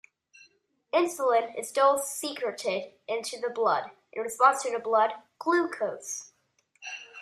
Insulin is still secreted into the blood in response to the blood glucose.